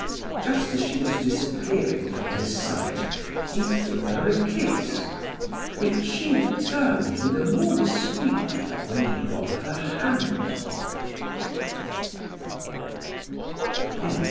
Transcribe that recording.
Just as she was disappearing from his sight, he threw her a kiss, which she returned with a more discreet wave of her hand.